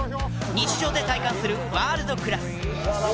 日常で体感するワールドクラス。